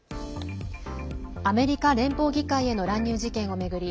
アメリカ連邦議会への乱入事件を巡り